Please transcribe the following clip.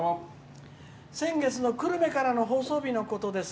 先月の久留米からの放送日のことです。